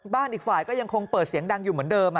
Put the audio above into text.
อีกฝ่ายก็ยังคงเปิดเสียงดังอยู่เหมือนเดิม